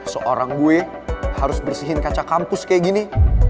seorang gue harus bersihin kaca kampus kayak gini